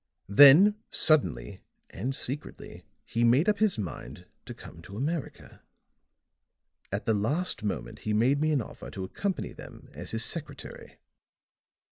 Then suddenly and secretly he made up his mind to come to America; at the last moment he made me an offer to accompany them as his secretary.